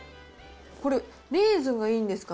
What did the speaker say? これ、レーズンがいいんですか？